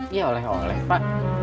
iya oleh oleh pak